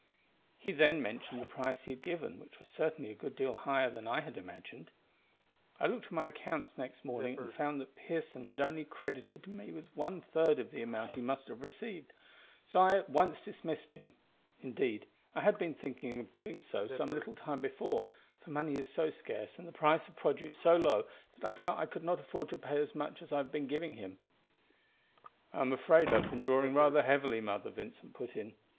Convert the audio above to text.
He then mentioned the price he had given, which was certainly a good deal higher than I had imagined. I looked to my accounts next morning, and found that Pearson had only credited me with one third of the amount he must have received, so I at once dismissed him. Indeed, I had been thinking of doing so some little time before, for money is so scarce and the price of produce so low that I felt I could not afford to pay as much as I have been giving him." "I am afraid I have been drawing rather heavily, mother," Vincent put in.